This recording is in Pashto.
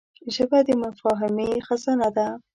ژبه د مفاهمې خزانه ده